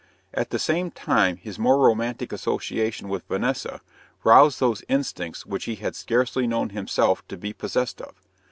At the same time, his more romantic association with Vanessa roused those instincts which he had scarcely known himself to be possessed of.